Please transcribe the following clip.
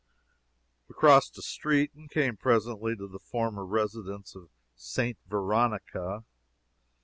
We crossed a street, and came presently to the former residence of St. Veronica.